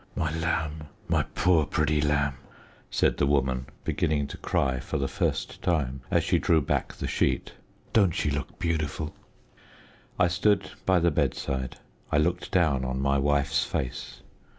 "My lamb my poor pretty lamb!" said the woman, beginning to cry for the first time as she drew back the sheet. "Don't she look beautiful?" I stood by the bedside. I looked down on my wife's face.